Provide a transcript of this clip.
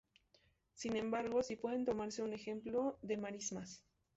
Sin embargo, sí puede tomarse un ejemplo de marismas.